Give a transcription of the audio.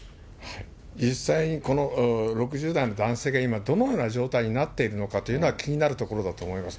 実際にこの６０代の男性が今、どのような状態になっているのかというのは、気になるところだと思います。